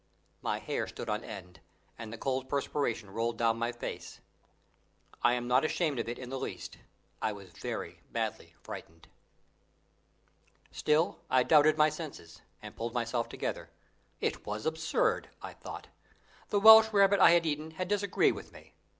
My hair stood on end, and the cold perspiration rolled down my face. I am not ashamed of it in the least: I was very badly frightened. Still I doubted my senses, and pulled myself together. It was absurd, I thought. The Welsh rarebit I had eaten had disagreed with me.